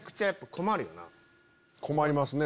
困りますね